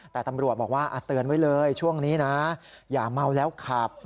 แต่ตำรวจบอกว่าเตือนไว้เลยช่วงนี้นะอย่าเมาแล้วขับ